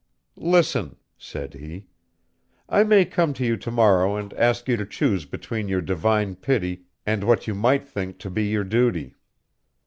"Listen," said he. "I may come to you to morrow and ask you to choose between your divine pity and what you might think to be your duty.